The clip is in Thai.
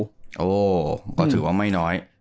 โอ้โหก็ถือว่าไม่น้อย